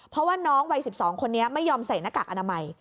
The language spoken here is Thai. เพราะว่าน้องวัย๑๒คนนี้ไม่ยอมใส่หน้ากากอนามัย